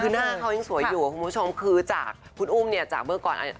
คือหน้าเขายังสวยอยู่คุณผู้ชมคือจากคุณอุ้มเนี่ยจากเมื่อก่อน